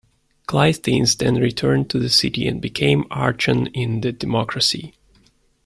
Cleisthenes then returned to the city and became archon in the democracy.